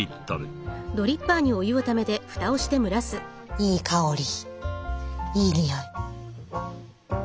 いい香りいい匂い。